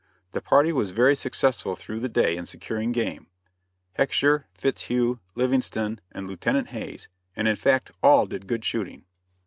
The party was very successful through the day in securing game, Hecksher, Fitzhugh, Livingston and Lieutenant Hayes; and in fact all did good shooting.